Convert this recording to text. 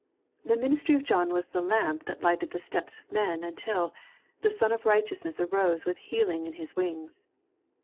The ministry of John was the lamp that lighted the steps of men until " the Sun of Righteousness arose with healing in Hid wings."